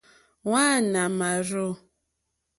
Hwáǃánáá màrzô.